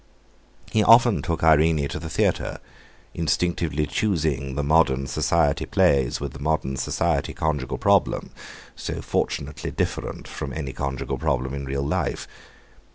He often took Irene to the theatre, instinctively choosing the modern Society Plays with the modern Society conjugal problem, so fortunately different from any conjugal problem in real life.